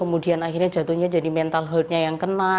kemudian akhirnya jatuhnya jadi mental hurtnya yang kena